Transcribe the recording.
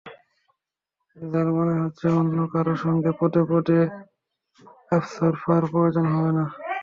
যার মানে হচ্ছে অন্য কারও সঙ্গে পদে পদে আপসরফার প্রয়োজন হবে না।